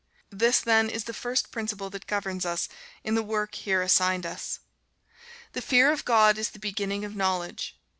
This, then, is the first principle that governs us in the work here assigned us. The fear of God is the beginning of knowledge.